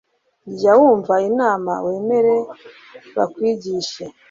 Jya wumva inama wemere bakwigishe